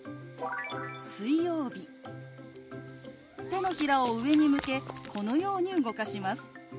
手のひらを上に向けこのように動かします。